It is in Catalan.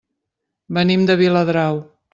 Venim de Viladrau.